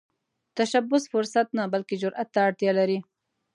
تشبث فرصت نه، بلکې جرئت ته اړتیا لري